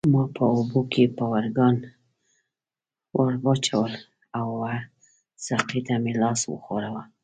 ما په اوبو کې پاروګان ورواچول او وه ساقي ته مې لاس وښوراوه.